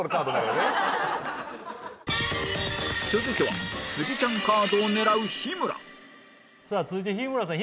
続いてはスギちゃんカードを狙う続いて日村さん